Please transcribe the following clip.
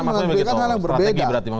dia akan akan menambilkan hal yang berbeda